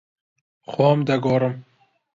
خۆم دەگۆڕم.